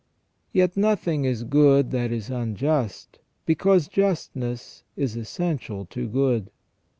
Yet nothing is good that is unjust, because justness is essential to good.